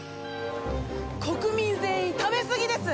国民全員食べすぎです！